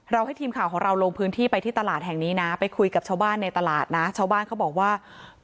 เราให้ทีมข่าวของเราลงพื้นที่ไปที่ตลาดแห่งนี้นะไปคุยกับชาวบ้านในตลาดนะ